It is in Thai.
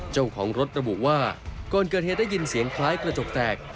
เจ้าของรถระบุว่าก่อนเกิดเหตุได้ยินเสียงคล้ายกระจกแตก